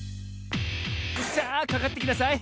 さあかかってきなさい！